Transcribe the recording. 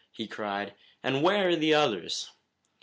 he cried, "and where are the others?"